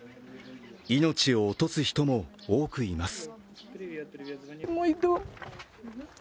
命を落とす人も多くいます。